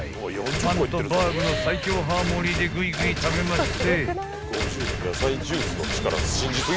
［パンとバーグの最強ハーモニーでぐいぐい食べまして］